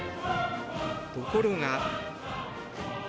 ところが。